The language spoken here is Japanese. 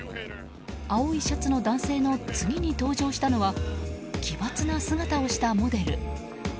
青いシャツの男性の次に登場したのは奇抜な姿をしたモデル。